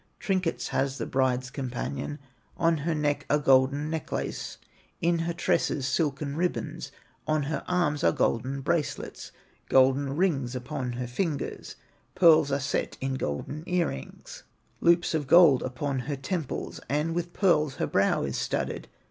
Trinkets has the bride's companion, On her neck a golden necklace, In her tresses, silken ribbons, On her arms are golden bracelets, Golden rings upon her fingers, Pearls are set in golden ear rings, Loops of gold upon her temples, And with pearls her brow is studded.